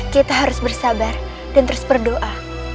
kita harus bersabar dan terus berdoa